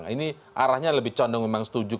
ini arahnya lebih condong memang setuju